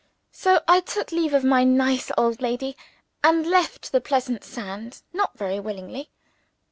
So I took leave of my nice old lady, and left the pleasant sands not very willingly.